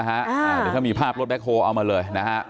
ก็จะมีภาพรถแบ็คโฮล์เอามาเลยนะครับ